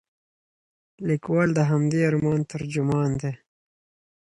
لیکوال د همدې ارمان ترجمان دی.